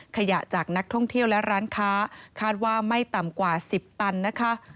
ขยะจากนักท่องเที่ยวและร้านค้าคาดว่าไม่ต่ำกว่า๑๐ตันนะคะ